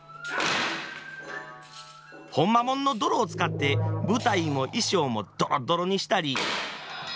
ほんまもんの泥を使って舞台も衣装もドロドロにしたり。